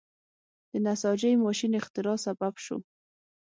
د نساجۍ ماشین اختراع سبب شو.